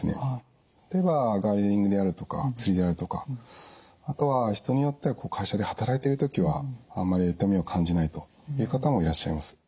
例えばガーデニングであるとか釣りであるとかあとは人によっては会社で働いてる時はあんまり痛みを感じないという方もいらっしゃいます。